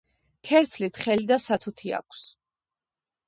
ქერცლი თხელი და სათუთი აქვს.